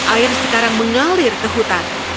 air sekarang mengalir ke hutan